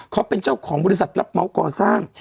เขาเป็นเจ้าของบริษัทรับเมาส์ก่อสร้าง